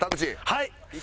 はい。